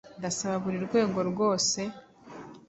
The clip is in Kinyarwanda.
ndasaba buri rwego rwose